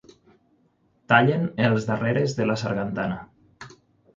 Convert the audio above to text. Tallen els darreres de la sargantana.